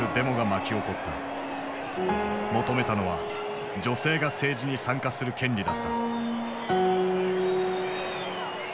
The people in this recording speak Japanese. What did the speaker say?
求めたのは女性が政治に参加する権利だった。